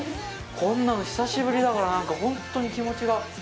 こんなの久しぶりだから、なんか、ほんとに気持ちが。